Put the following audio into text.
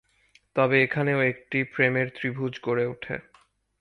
তবে এখানেও একটি প্রেমের ত্রিভুজ গড়ে উঠে।